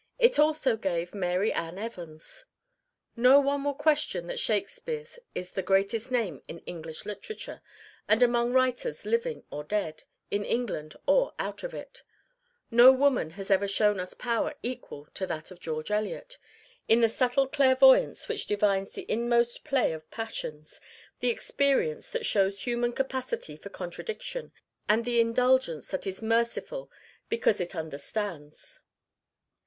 It also gave Mary Ann Evans. No one will question that Shakespeare's is the greatest name in English literature; and among writers living or dead, in England or out of it, no woman has ever shown us power equal to that of George Eliot, in the subtle clairvoyance which divines the inmost play of passions, the experience that shows human capacity for contradiction, and the indulgence that is merciful because it understands.